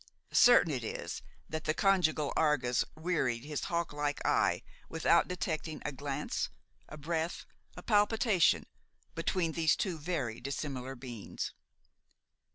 Certain it is that the conjugal Argus wearied his hawklike eye without detecting a glance, a breath, a palpitation, between these two very dissimilar beings.